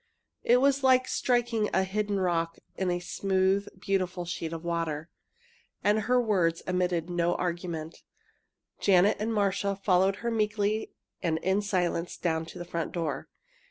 It was like striking a hidden rock in a smooth, beautiful sheet of water. And her words admitted of no argument. Janet and Marcia followed her meekly and in silence down to the front door.